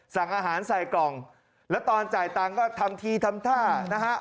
สั่งอาหารใส่กล่องแล้วตอนจ่ายตังค์ก็ทำทีทำท่านะฮะ